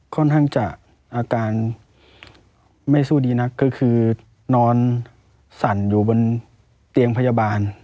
ค่อนข้างจะอาการไม่สู้ดีนักก็คือนอนสั่นอยู่บนเตียงพยาบาล